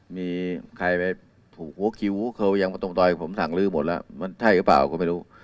มีใครแล้วที่อย่างตรงตอยที่ผมสั่งลื้อหมดแล้วมันใช่หรือเปล่าก็ไม่รู้